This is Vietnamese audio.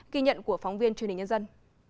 kỳ nhận của phóng viên truyền hình nhân dân